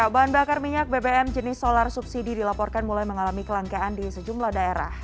bahan bakar minyak bbm jenis solar subsidi dilaporkan mulai mengalami kelangkaan di sejumlah daerah